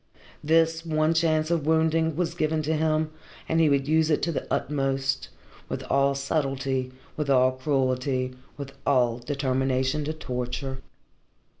This one chance of wounding was given to him and he would use it to the utmost, with all subtlety, with all cruelty, with all determination to torture.